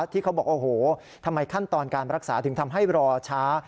ที่เขาบอกโอ้โหทำไมขั้นตอนการรักษาถึงทำให้รอช้า